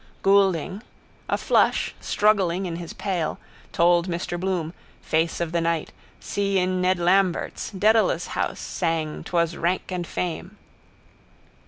Goulding, a flush struggling in his pale, told Mr Bloom, face of the night, Si in Ned Lambert's, Dedalus house, sang _'Twas rank and fame.